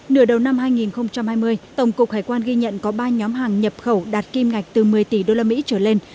nửa đầu năm hai nghìn hai mươi tổng cục hải quan ghi nhận có ba nhóm hàng nhập khẩu đạt kim ngạch từ một mươi tỷ usd trở lên